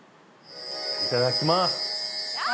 いただきます。